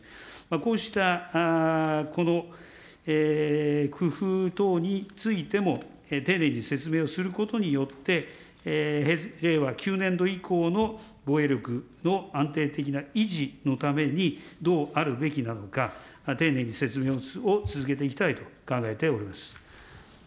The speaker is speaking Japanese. こうしたこの工夫等についても、丁寧に説明をすることによって、令和９年度以降の防衛力の安定的な維持のために、どうあるべきなのか、丁寧に説明を続けていきたいと考えております。